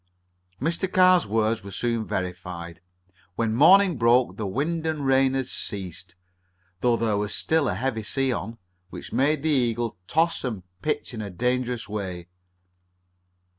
Mr. Carr's words were soon verified. When morning broke the wind and rain had ceased, though there was still a heavy sea on, which made the Eagle toss and pitch in a dangerous way.